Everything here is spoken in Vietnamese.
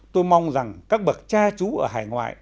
tôi mong rằng các bậc cha chú ở hải ngoại